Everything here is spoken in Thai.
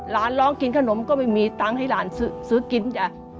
ร้องกินขนมก็ไม่มีตังค์ให้หลานซื้อกินจ้ะ